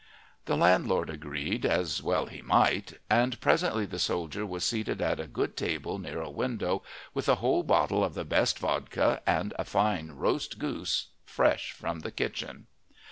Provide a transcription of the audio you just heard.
The landlord agreed, as well he might, and presently the soldier was seated at a good table near a window, with a whole bottle of the best vodka, and a fine roast goose fresh from the kitchen.